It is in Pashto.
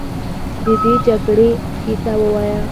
د دې جګړې کیسه ووایه.